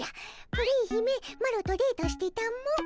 プリン姫マロとデートしてたも。